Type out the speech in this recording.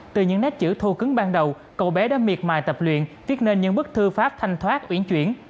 từ những nét chữ thu cứng ban đầu cậu bé đã miệt mài tập luyện viết nên những bức thư pháp thanh thoát uyển chuyển